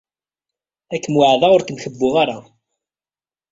Ad kem-weɛdeɣ ur kem-kebbuɣ ara.